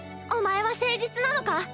お前は誠実なのか？